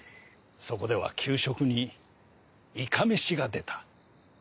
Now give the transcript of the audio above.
そこでは給食にいかめしが出た。